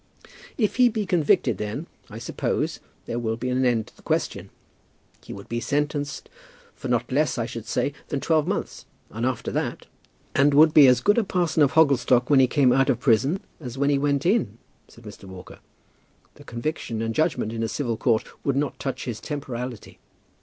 "If he be convicted, then, I suppose, there will be an end of the question. He would be sentenced for not less, I should say, than twelve months; and after that " "And would be as good a parson of Hogglestock when he came out of prison as when he went in," said Mr. Walker. "The conviction and judgment in a civil court would not touch his temporality."